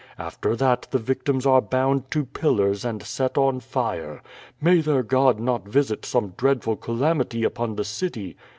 After that the victims are bound to pillars and set on fire. May their God not visit some dreadful calamity upon the city.